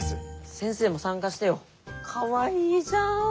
先生も参加してよ。かわいいじゃん！